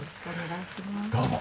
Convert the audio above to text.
どうも。